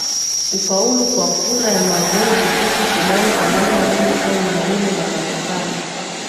kufaulu kwa kura ya maamuzi huku sudan kwa namna moja au nyingine na manufaa